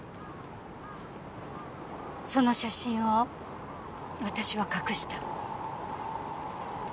その写真を私は隠した。